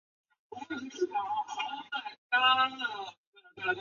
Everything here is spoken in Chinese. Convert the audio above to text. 随之成立中央军委政治工作部干部局。